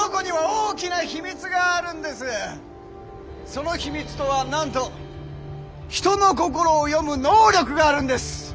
その秘密とはなんと人の心を読む能力があるんです！